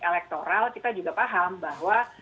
elektoral kita juga paham bahwa